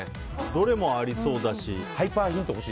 どれもありそうだし。